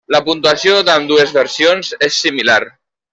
La puntuació en ambdues versions és similar.